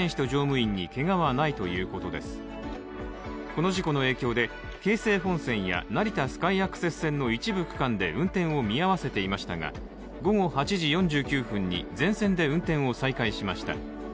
この事故の影響で京成本線や成田スカイアクセス線の一部区間で運転を見合わせていましたが、午後８時４９分に全線で運転を再開しました。